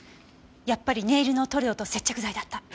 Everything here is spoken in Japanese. やっぱりネイルの塗料と接着剤だった。